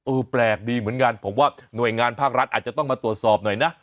แปลกดีเหมือนกันผมว่าหน่วยงานภาครัฐอาจจะต้องมาตรวจสอบหน่อยนะ